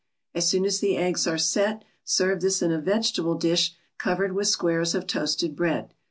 As soon as the eggs are "set" serve this in a vegetable dish covered with squares of toasted bread.